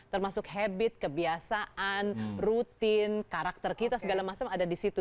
termasuk habit kebiasaan rutin karakter kita segala macam ada di situ